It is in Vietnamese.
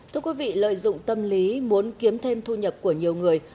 thưa quý vị lợi dụng tâm lý muốn kiếm thêm thu nhập của nhiều người